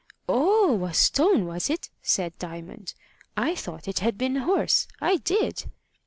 "Oh! a stone, was it?" said Diamond. "I thought it had been a horse I did."